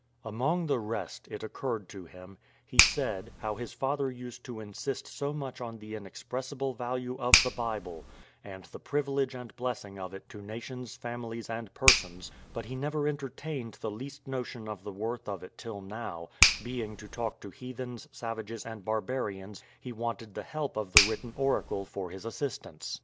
Among the rest, it occurred to him, he said, how his father used to insist so much on the inexpressible value of the Bible, and the privilege and blessing of it to nations, families, and persons; but he never entertained the least notion of the worth of it till now, when, being to talk to heathens, savages, and barbarians, he wanted the help of the written oracle for his assistance.